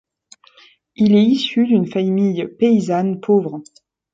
Il est issu d'une famille paysanne pauvre.